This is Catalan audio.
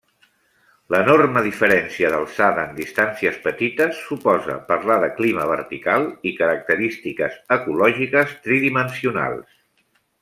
L'enorme diferència d'alçada en distàncies petites suposa parlar de Clima vertical i característiques ecològiques tridimensionals.